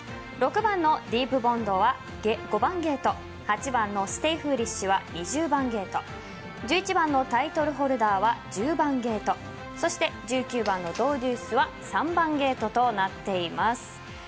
６番のディープボンドは５番ゲート８番のステイフーリッシュは２０番ゲート１１番のタイトルホルダーは１０番ゲートそして１９番のドウデュースは３番ゲートとなっています。